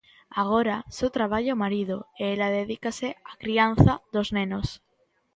Agora só traballa o marido e ela dedícase á crianza dos nenos.